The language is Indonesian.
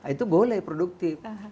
itu boleh produktif